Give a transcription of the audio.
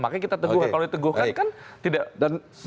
makanya kita teguhkan kalau diteguhkan kan tidak seperti ini